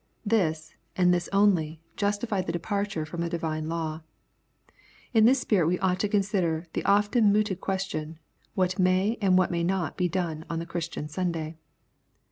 This, and this only, justified the departure firom a divine law. In this spirit we ought to consider the often mooted question, what may and what may not be done on the Christian Sunday.